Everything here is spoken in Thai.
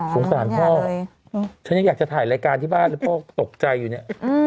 สงสารพ่อฉันยังอยากจะถ่ายรายการที่บ้านเลยพ่อตกใจอยู่เนี่ย